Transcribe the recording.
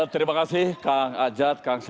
terima kasih kang aja